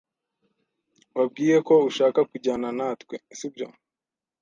Wabwiye ko ushaka kujyana natwe, sibyo?